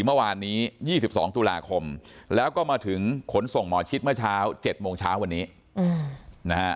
เมื่อวานนี้๒๒ตุลาคมแล้วก็มาถึงขนส่งหมอชิดเมื่อเช้า๗โมงเช้าวันนี้นะฮะ